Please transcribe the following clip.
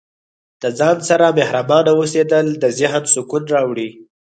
د ځان سره مهربانه اوسیدل د ذهن سکون راوړي.